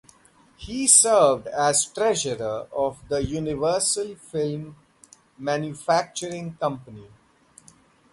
He served as treasurer of the Universal Film Manufacturing Company.